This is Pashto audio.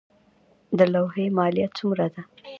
د لوحې مالیه څومره ده؟